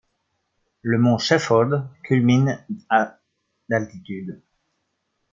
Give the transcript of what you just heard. Le mont Shefford culmine à d'altitude.